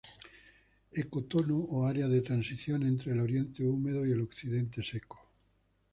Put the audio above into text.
Ecotono o área de transición entre el oriente húmedo y el occidente seco.